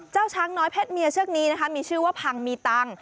เจ้าช้างน้อยเพศเมียเชิกนี้มีชื่อว่าพังมีตัง